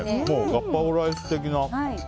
ガパオライス的な。